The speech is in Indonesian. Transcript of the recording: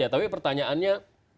ya tapi pertanyaannya